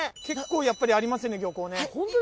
結構やっぱりありますね漁港ね。